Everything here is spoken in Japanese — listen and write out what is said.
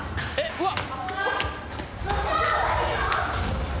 うわっ！